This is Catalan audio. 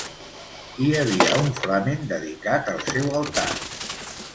Hi havia un flamen dedicat al seu altar.